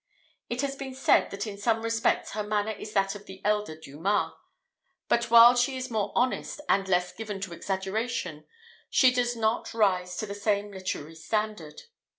It has been said that in some respects her manner is that of the elder Dumas, but while she is more honest and less given to exaggeration she does not rise to the same literary standard.